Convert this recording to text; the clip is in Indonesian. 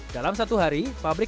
dalam satu hari